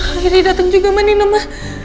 mama hari dateng juga sama nino ma